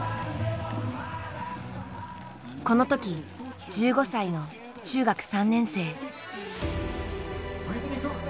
この時１５歳の中学３年生。